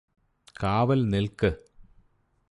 കാവല് നില്ക്ക്